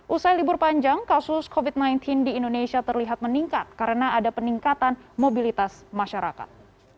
usai libur panjang kasus covid sembilan belas di indonesia terlihat meningkat karena ada peningkatan mobilitas masyarakat